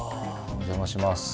お邪魔します。